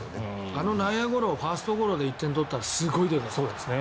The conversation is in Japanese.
あの内野ゴロをファーストゴロで１点取ったのはすごいでかかった。